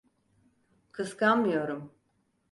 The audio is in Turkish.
Kıskanmıyorum.